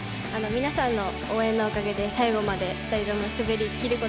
皆さんの応援のおかげで最後まで２人とも滑り切ることができました。